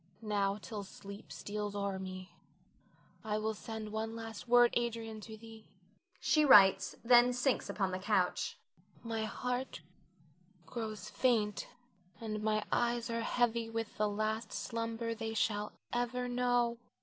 Now, till sleep steals o'er me, I will send one last word, Adrian, to thee. [She writes, then sinks upon the couch.] My heart grows faint, and my eyes are heavy with the last slumber they shall ever know.